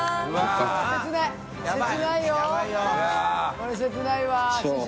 これ切ないわ師匠。